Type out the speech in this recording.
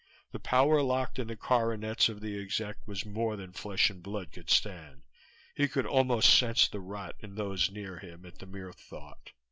The power locked in the coronets of the exec was more than flesh and blood could stand; he could almost sense the rot in those near him at the mere thought.